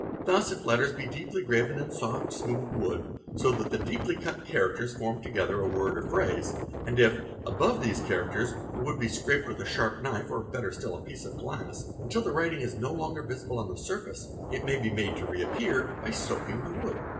Thus if letters be deeply graven in soft, smooth wood, so that the deeply cut characters form together a word or phrase, and if, above Ak Aa these characters, the wood be scraped with a sharp knife or better still a piece of glass until the writing is no longer visible on the surface, it may be made to reappear by soaking the wood.